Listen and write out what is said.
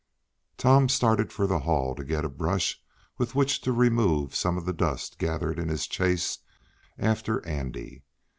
Tom started for the hall, to get a brush with which to remove some of the dust gathered in his chase after Andy.